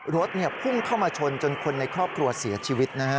รถพุ่งเข้ามาชนจนคนในครอบครัวเสียชีวิตนะฮะ